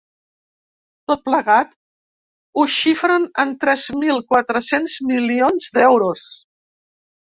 Tot plegat, ho xifren en tres mil quatre-cents milions d’euros.